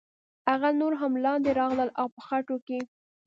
هغه نور هم لاندې راغلل او په خټو کې.